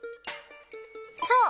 そう！